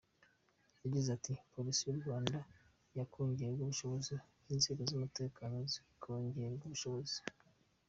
Yagize ati “Polisi y’ u Rwanda yakongererwa ubushobozi, n’ inzego z’ umutekano zikongererwa ubushobozi.